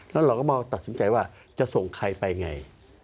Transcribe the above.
แล้วเราก็มาตัดสินใจว่าจะส่งใครไปไง